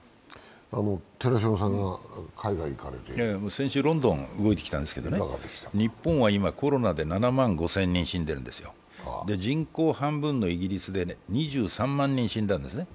先週ロンドンに行ってきたんですけど、今日本はコロナで７万人死んでるんですけど、人口半分のイギリスで２３万人死んだんですね。